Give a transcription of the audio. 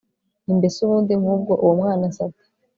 nti mbese ubundi nk'ubwo uwo mwana asa ate